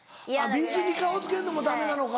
水に顔つけんのもダメなのか。